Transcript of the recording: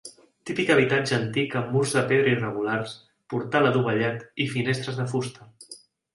Típic habitatge antic amb murs de pedra irregulars, portal adovellat i finestres de fusta.